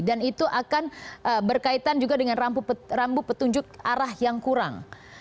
dan itu akan berkaitan juga dengan rambu petunjuk arah yang kurang